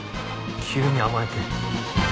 急に甘えて。